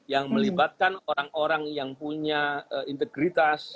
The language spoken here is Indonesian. yang melibatkan orang orang yang punya integritas